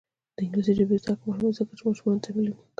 د انګلیسي ژبې زده کړه مهمه ده ځکه چې ماشومانو تعلیم ښه کوي.